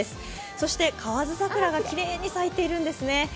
そして河津桜がきれいに咲いています。